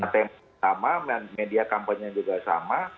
temp sama media kampanye juga sama